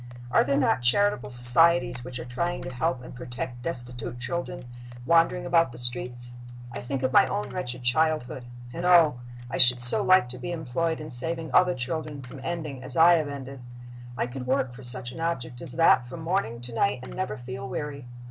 Are there not charitable societies which are trying to help and protect destitute children wandering about the streets? I think of my own wretched childhood and oh! I should so like to be employed in saving other children from ending as I have ended. I could work, for such an object as that, from morning to night, and never feel weary.